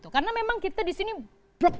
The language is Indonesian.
karena memang kita di sini satu semuanya